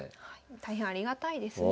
大変ありがたいですね